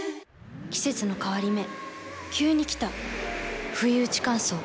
季節の変わり目急に来たふいうち乾燥。